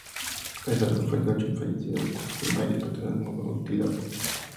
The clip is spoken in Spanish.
El saldo fue de ocho fallecidos y varias personas mutiladas.